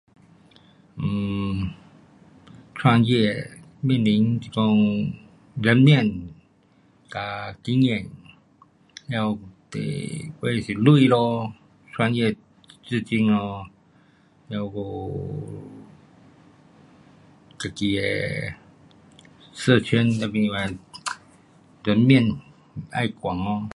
um 看他的人民是讲，人面和经验要广，哒就有的是钱咯，看他的资金咯，了还有自己的社圈跟他的人面要广哦。